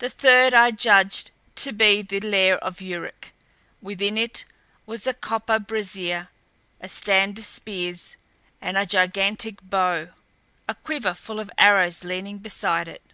The third I judged to be the lair of Yuruk; within it was a copper brazier, a stand of spears and a gigantic bow, a quiver full of arrows leaning beside it.